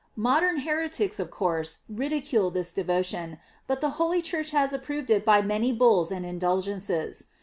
Modern heretics, of course, ridicule this devotion, but the holy Church has approved it by many bulls arid indulgences.